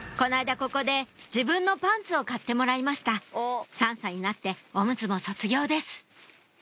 ここで自分のパンツを買ってもらいました３歳になってオムツも卒業です